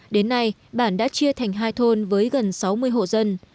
đến nay bản đã chia thành hai thôn với gần sáu mươi hộ dân